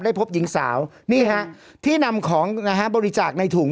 พบหญิงสาวนี่ฮะที่นำของนะฮะบริจาคในถุง